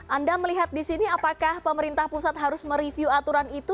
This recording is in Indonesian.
anda melihat di sini apakah pemerintah pusat harus mereview aturan itu